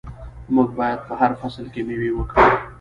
موږ باید په هر فصل کې میوه وکرو.